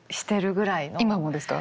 今もですか？